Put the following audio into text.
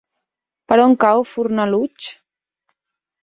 Per on cau Fornalutx?